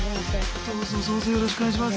どうぞどうぞよろしくお願いします。